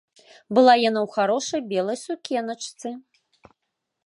Была яна ў харошай белай сукеначцы.